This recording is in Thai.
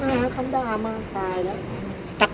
พี่อัดมาสองวันไม่มีใครรู้หรอก